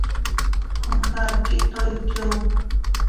Comcaac quih toii cöyoop.